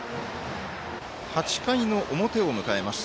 ８回の表を迎えます。